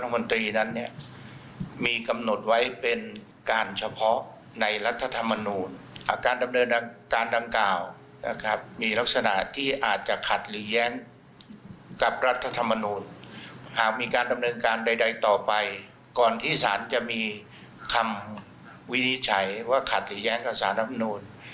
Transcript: มีคำวินิจฉัยว่าขัดหรือย้างกับสารรัฐธรรมนูญ